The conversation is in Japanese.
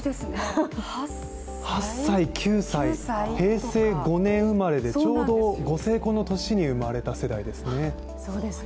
８歳、９歳、平成５年生まれでちょうどご成婚の年に生まれた世代ですね。